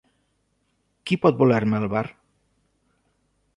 Qui pot voler-me al bar?